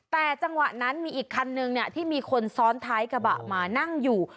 แต่จังหวะนั้นมีอีกคันนึงที่มีคนซ้อนท้ายกระบะมานั่งอยู่